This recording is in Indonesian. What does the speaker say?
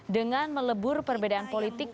dengan melebur perbedaan politik